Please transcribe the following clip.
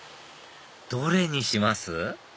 どれにします？